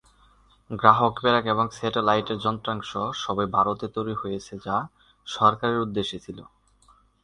গ্রাহক প্রেরক এবং স্যাটেলাইটের যন্ত্রাংশ সবই ভারতে তৈরি হয়েছে যা সরকারের উদ্দেশ্য ছিল।